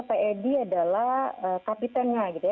ped adalah kapitengnya